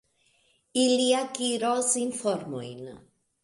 Ili akiros informojn.